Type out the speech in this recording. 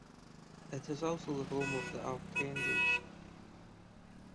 It is also the home of the archangels.